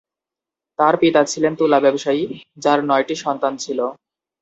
তার পিতা ছিলেন তুলা ব্যবসায়ী, যার নয়টি সন্তান ছিল।